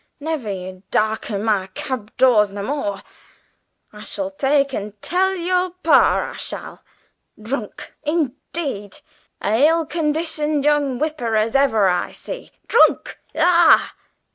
Never you darken my cab doors no more. I shall take and tell your par, I shall. Drunk, indeed! A ill conditioned young wiper as ever I see. Drunk! yah!"